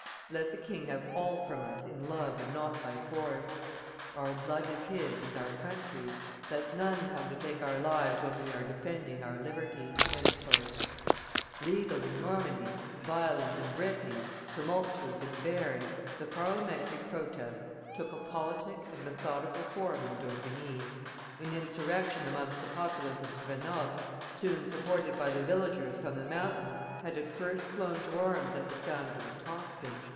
Let the king have all from us in love and not by force; our blood is his and our country's. Let none come to take our lives when we are defending our liberty." Legal in Normandy, violent in Brittany, tumultuous in Bearn, the parliamentary protests took a politic and methodical form in Dauphiny. An insurrection amongst the populace of Grenoble, soon supported by the villagers from the mountains, had at first flown to arms at the sound of the tocsin.